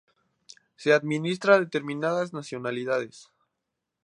Se administra a determinadas nacionalidades".